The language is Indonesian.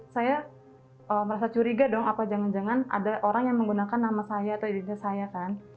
saya merasa curiga dong apa jangan jangan ada orang yang menggunakan nama saya atau dirinya saya kan